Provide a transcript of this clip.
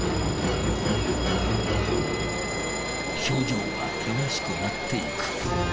表情が険しくなっていく。